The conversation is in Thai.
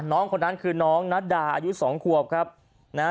น้องคนนั้นคือน้องนัดดาอายุสองขวบครับนะฮะ